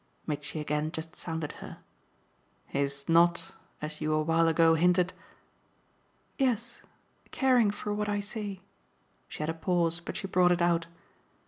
Mitchy again just sounded her. "His not, as you a while ago hinted ?" "Yes, caring for what I say." She had a pause, but she brought it out.